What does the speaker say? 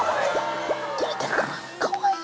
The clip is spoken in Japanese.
かわいい！